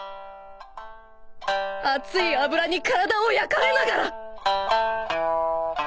熱い油に体を焼かれながら！